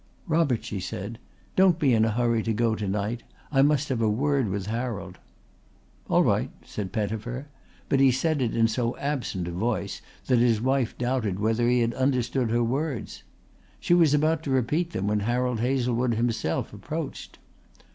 "Robert," she said, "don't be in a hurry to go to night. I must have a word with Harold." "All right," said Pettifer, but he said it in so absent a voice that his wife doubted whether he had understood her words. She was about to repeat them when Harold Hazlewood himself approached.